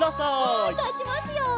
はいたちますよ。